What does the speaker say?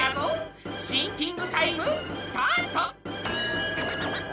シンキングタイムスタート！